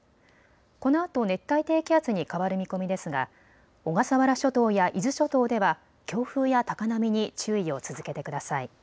このあと熱帯低気圧に変わる見込みですが小笠原諸島や伊豆諸島では強風や高波に注意を続けてください。